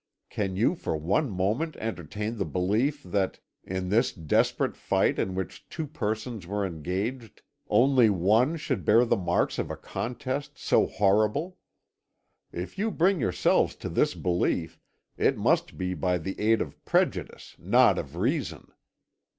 Can you for one moment entertain the belief that, in this desperate fight in which two persons were engaged, only one should bear the marks of a contest so horrible? If you bring yourselves to this belief it must be by the aid of prejudice, not of reason.